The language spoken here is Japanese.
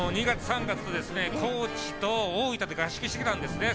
２月３月と高知と大分で合宿してきたんです。